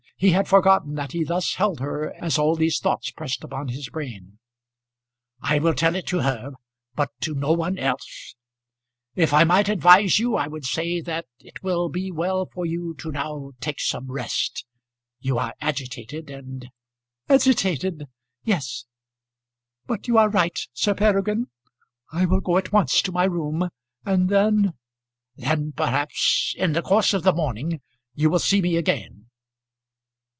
He had forgotten that he thus held her as all these thoughts pressed upon his brain. "I will tell it to her, but to no one else. If I might advise you, I would say that it will be well for you now to take some rest. You are agitated, and " "Agitated! yes. But you are right, Sir Peregrine. I will go at once to my room. And then " "Then, perhaps, in the course of the morning, you will see me again."